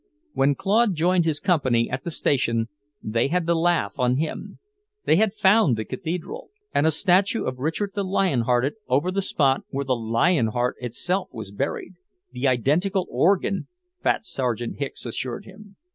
When Claude joined his company at the station, they had the laugh on him. They had found the Cathedral, and a statue of Richard the Lion hearted, over the spot where the lion heart itself was buried; "the identical organ," fat Sergeant Hicks assured him.